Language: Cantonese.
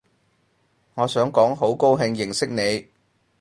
我想講好高興認識你